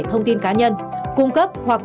thông tin cá nhân cung cấp hoặc